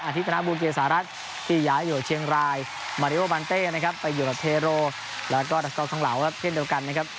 อาทิตย์ธนาบูเกสารักษณ์ภิยาโยเชียงรายมาริโอบันเต้นะครับไปอยู่กับเทโรแล้วก็ดัสก๊อตทั้งเหล่าครับเพื่อนเดียวกันนะครับ